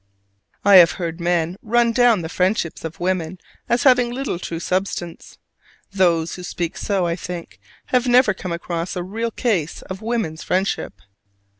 I have heard men run down the friendships of women as having little true substance. Those who speak so, I think, have never come across a real case of woman's friendship.